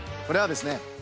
これはですね